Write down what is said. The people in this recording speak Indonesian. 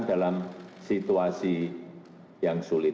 dalam situasi yang sulit